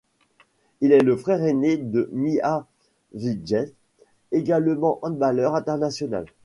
Il est le frère aîné de Miha Žvižej, également handballeur international.